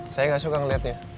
saya gak suka ngeliatnya